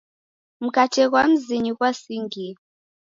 Mkate ghwa mzinyi ghwasingie.